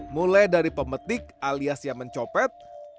mulai dari pemetik alias yang mencopet